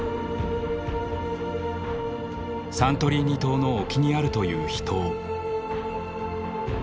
サントリーニ島の沖にあるという秘湯。